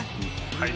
はい。